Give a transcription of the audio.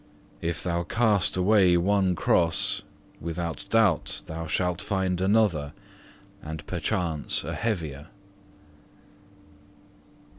If thou cast away one cross, without doubt thou shalt find another and perchance a heavier.